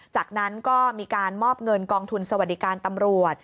จากนั้นก็มีการมอบเงินกองทุนสวัสดิการตำรวจ